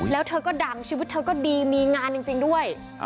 แล้วเธอก็ดังชีวิตเธอก็ดีมีงานจริงด้วย